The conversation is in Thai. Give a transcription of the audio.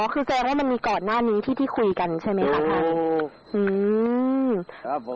คือเมื่อมีกล่าก่อนหน้านี้ที่คุยนะท่านใช่ไหมครับท่าน